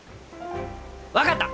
分かった！